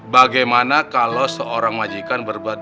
bagaimana kalau seorang wajikan berbadan